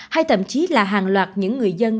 hay thậm chí là hàng loạt những người dân